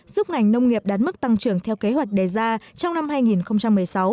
giúp ngành nông nghiệp đạt mức tăng trưởng theo kế hoạch đề ra trong năm hai nghìn một mươi sáu